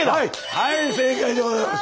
はい正解でございます。